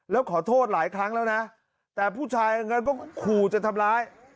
แล้วขอโทษหลายครั้งแล้วนะแต่ผู้ชายก็ขูจะทำร้าย